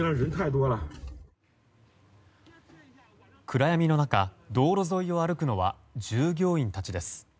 暗闇の中道路沿いを歩くのは従業員たちです。